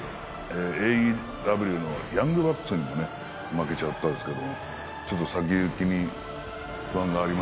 ＡＥＷのヤングバックスにもね負けちゃったんですけどちょっと先行きに不安がありますかね。